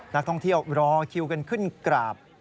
นักท่องเที่ยวรอคิวกันขึ้นกราบ